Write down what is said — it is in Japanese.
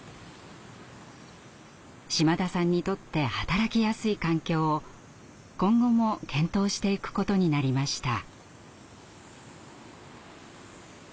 島田さんにとって働きやすい環境を今後も検討していくことになりました。